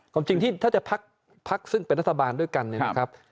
ความจริงที่ถ้าจะพักซึ่งเป็นรัฐบาลด้วยกันเนี่ยนะครับ